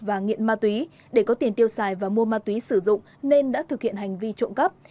và nghiện ma túy để có tiền tiêu xài và mua ma túy sử dụng nên đã thực hiện hành vi trộm cắp